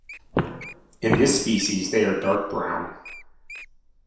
In this species they are dark brown.